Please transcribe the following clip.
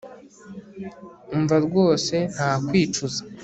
umva rwose nta kwicuza